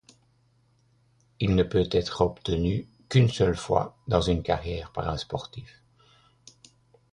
Il ne peut être obtenu qu'une seule fois dans une carrière par un sportif.